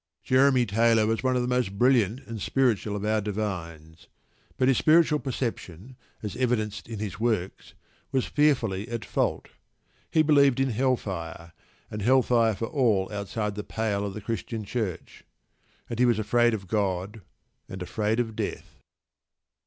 Jeremy Taylor was one of the most brilliant and spiritual of our divines. But his spiritual perception, as evidenced in his works, was fearfully at fault. He believed in hell fire, and in hell fire for all outside the pale of the Christian Church. And he was afraid of God, and afraid of death.